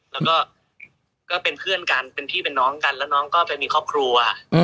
แล้วก็ก็เป็นเพื่อนกันเป็นพี่เป็นน้องกันแล้วน้องก็ไปมีครอบครัว